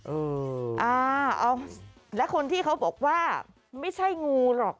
เอออ่าเอาและคนที่เขาบอกว่าไม่ใช่งูหรอก